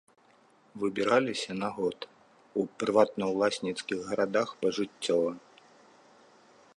Выбіраліся на год, у прыватнаўласніцкіх гарадах пажыццёва.